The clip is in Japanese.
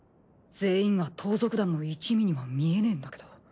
全員が盗賊団の一味には見えねえんだけど。